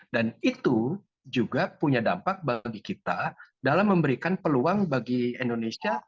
dan itu juga punya dampak bagi kita dalam memberikan peluang bagi indonesia